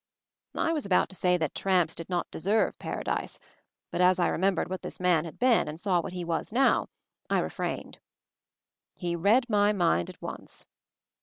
I was about to say that tramps did not deserve Paradise, but as I remembered what this man had been, and saw what he was now, I refrained. He read my mind at once.